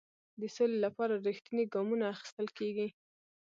د سولې لپاره رښتیني ګامونه اخیستل کیږي.